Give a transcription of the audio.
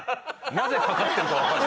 なぜかかってるかわかんない。